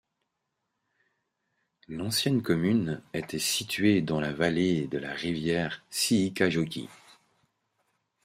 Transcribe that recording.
L'ancienne commune était située dans la vallée de la rivière Siikajoki.